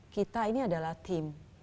kita ini adalah tim